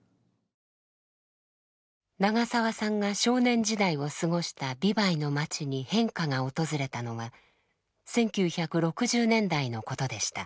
長澤さんが少年時代を過ごした美唄の町に変化が訪れたのは１９６０年代のことでした。